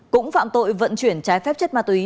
cũng phạm tội vận chuyển trái phép chất ma túy